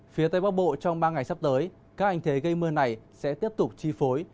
phía tây bắc bộ trong ba ngày sắp tới các hình thế gây mưa này sẽ tiếp tục chi phối